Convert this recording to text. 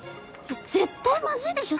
絶対まずいでしょ